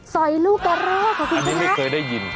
สยลูกกระโรกอันนี้ไม่เคยได้ยิน